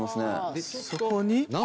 でそこに？